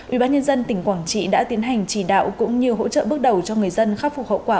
ubnd tỉnh quảng trị đã tiến hành chỉ đạo cũng như hỗ trợ bước đầu cho người dân khắc phục hậu quả